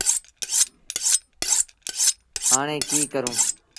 هآي ڪيٚ ڪرون۔